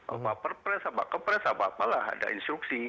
apapun perpres apapun kepres apapun lah ada instruksi